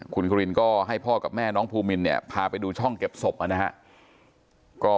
คุณครินก็ให้พ่อกับแม่น้องภูมินเนี่ยพาไปดูช่องเก็บศพนะครับ